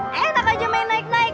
hah ayo takut aja main naik naik